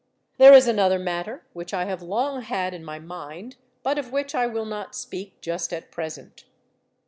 "There is another matter, which I have long had in my mind, but of which I will not speak just at present.